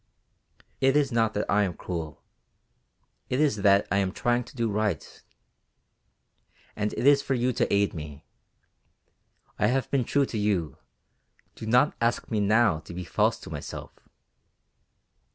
"It is not that I am cruel, it is that I am trying to do right. And it is for you to aid me. I have been true to you, do not ask me now to be false to myself."